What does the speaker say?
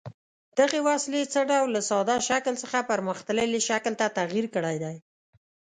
دغې وسیلې څه ډول له ساده شکل څخه پرمختللي شکل ته تغیر کړی دی؟